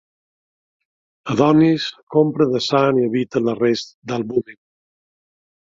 Adonis compra The Sun i evita l'arrest d'Albumen.